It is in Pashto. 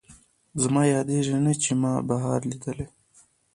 زما یادېږي نه، چې ما بهار لیدلی